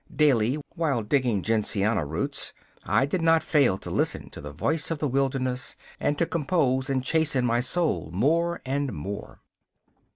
Daily, while digging gentiana roots, I do not fail to listen to the voice of the wilderness and to compose and chasten my soul more and more.